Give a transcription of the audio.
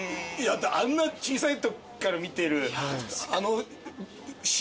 あんな小さいときから見てるあの。